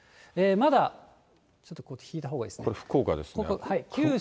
まだ、ちょっと引いたほうがいいこれ、福岡ですね。